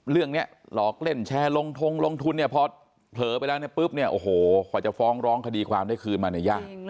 เรื่องนี้หลอกเล่นแชร์ลงทุนพอเผลอไปแล้วปุ๊บโอ้โหจะฟ้องร้องคดีความได้คืนมาอย่างยาก